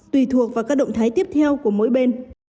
tùy thuộc vào các động thái tiếp theo của mỗi bên